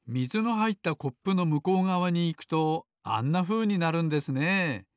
はいったコップのむこうがわにいくとあんなふうになるんですねえ。